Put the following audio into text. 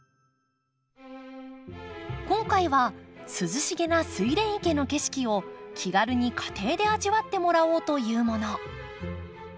今回は涼しげなスイレン池の景色を気軽に家庭で味わってもらおうというもの。